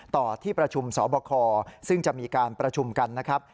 ต่อที่ประชุมสบคซึ่งจะมีการประชุมกันนะครับ